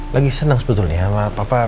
lagi senang sebetulnya sama papa